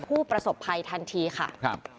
โปรดติดตามตอนต่อไป